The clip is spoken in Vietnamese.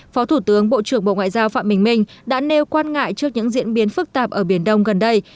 phó thủ tướng bộ trưởng bộ ngoại giao phạm bình minh đã nêu quan ngại trước những diễn biến phức tạp ở biển đông gần đây